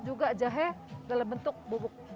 juga jahe dalam bentuk bubuk